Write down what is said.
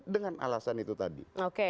dengan alasan itu tadi